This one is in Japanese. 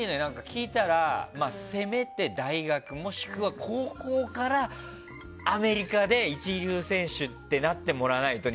聞いたらせめて大学もしくは高校からアメリカで１軍選手ってなってもらわないと。